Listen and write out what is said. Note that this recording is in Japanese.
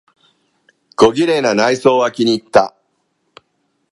小綺麗な内装は気にいった。